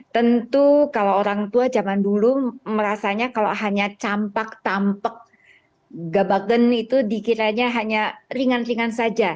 tentu kalau orang tua zaman dulu merasanya kalau hanya campak tampak gabagan itu dikiranya hanya ringan ringan saja